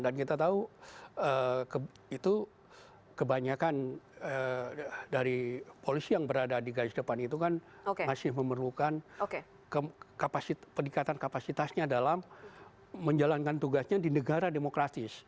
dan kita tahu itu kebanyakan dari polisi yang berada di garis depan itu kan masih memerlukan peningkatan kapasitasnya dalam menjalankan tugasnya di negara demokratis